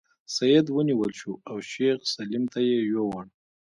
سید ونیول شو او شیخ سلیم ته یې یووړ.